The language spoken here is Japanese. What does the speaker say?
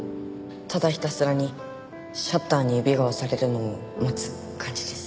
ただひたすらにシャッターが指に押されるのを待つ感じです。